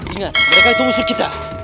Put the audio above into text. ingat mereka itu musuh kita